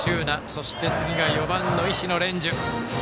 そして次が４番の石野蓮授。